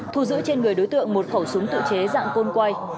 thu giữ trên người đối tượng một khẩu súng tự chế dạng côn quay